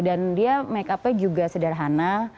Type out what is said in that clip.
dan dia makeupnya juga sederhana